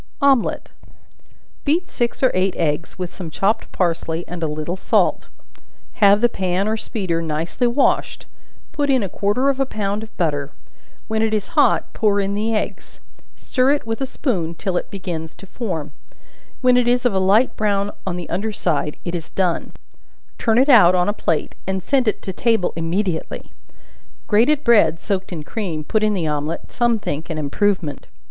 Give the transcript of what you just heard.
Omelet. Beat six or eight eggs, with some chopped parsley and a little salt; have the pan or speeder nicely washed; put in a quarter of a pound of butter, when it is hot, pour in the eggs; stir it with a spoon till it begins to form; when it is of a light brown on the under side it is done; turn it out on a plate, and send to table immediately. Grated bread, soaked in cream, put in the omelet, some think an improvement.